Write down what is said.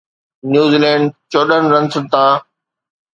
New Zealand چوڏهن رنسن تان